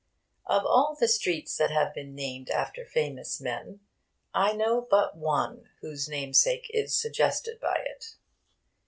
Of all the streets that have been named after famous men, I know but one whose namesake is suggested by it.